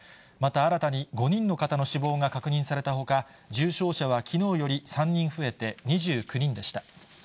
また、新たに５人の方の死亡が確認されたほか、重症者はきのうより３人増えて２９人でした。